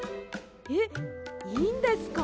えっいいんですか？